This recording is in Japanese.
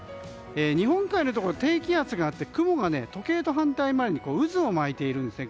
日本海のところに低気圧があって雲が時計と反対周りに渦を巻いているんですね。